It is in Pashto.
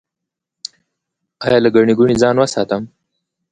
ایا له ګڼې ګوڼې ځان وساتم؟